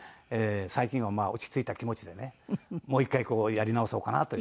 最近はまあ落ち着いた気持ちでねもう１回やり直そうかなと。